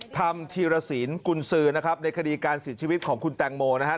ธรรมธีรษีนกุลซื้อครับในคดีการสิทธิชวิตของคุณแตงโมนะครับ